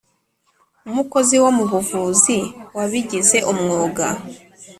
umukozi wo mu buvuzi wabigize umwuga